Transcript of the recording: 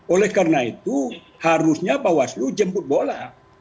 oleh karena itu harusnya bawaslu jemput bola